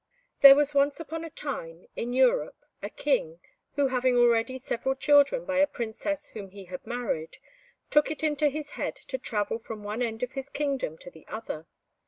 There was once upon a time, in Europe, a King, who having already several children by a princess whom he had married, took it into his head to travel from one end of his kingdom to the other.